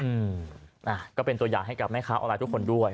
อืมอ่ะก็เป็นตัวอย่างให้กับแม่ค้าออนไลน์ทุกคนด้วย